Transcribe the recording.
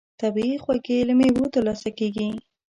طبیعي خوږې له مېوو ترلاسه کېږي.